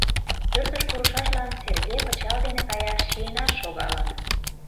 Пӧртыш пурышашлан Серге пычал дене каяш чиенат шогалын.